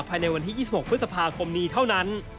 ภายในวันที่๒๖พฤษภาคมนี้เท่านั้น